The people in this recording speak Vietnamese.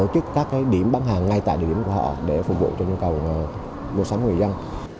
chức các điểm bán hàng ngay tại địa điểm của họ để phục vụ cho nhu cầu mua sắm người dân